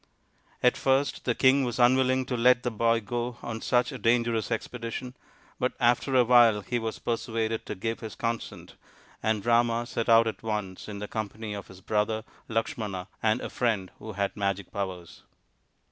At first the king was unwilling to let the boy go on such a dangerous expedition, but after a while he was persuaded to give his consent, and Rama set out at once in the company of his brother Lakshmana and a friend who had magic powers.